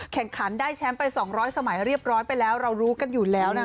แข่งขันได้แชมป์ไป๒๐๐สมัยเรียบร้อยไปแล้วเรารู้กันอยู่แล้วนะคะ